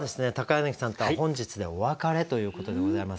柳さんとは本日でお別れということでございます。